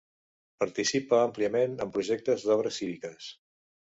Participa àmpliament en projectes d'obres cíviques.